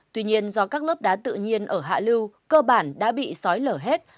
tuy nhiên do các lớp đá tự nhiên ở hạ lưu cơ bản đã bị sỏi lỡ hết